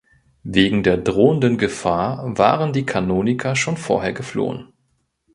Wegen der drohenden Gefahr waren die Kanoniker schon vorher geflohen.